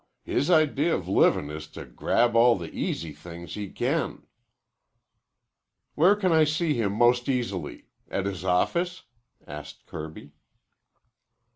"His idea of living is to grab all the easy things he can." "Where can I see him most easily? At his office?" asked Kirby.